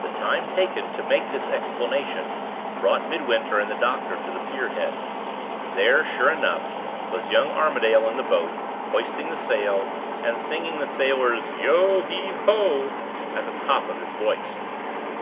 The time taken to make this explanation brought Midwinter and the doctor to the pier head. There, sure enough, was young Armadale in the boat, hoisting the sail, and singing the sailor's "Yo heave ho!" at the top of his voice.